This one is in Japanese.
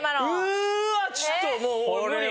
うーわっちょっともう無理。